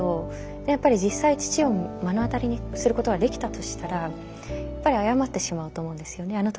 やっぱり実際父を目の当たりにすることができたとしたらやっぱり謝ってしまうと思うんですよね。